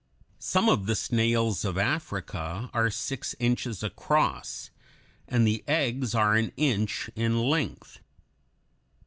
] Some of the snails of Africa are six inches across, and the eggs are an inch in length.